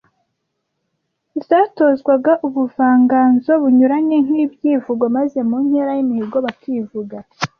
Zatozwaga ubuvanganzo bunyuranye nk’ibyivugo maze mu nkera y’imihigo bakivuga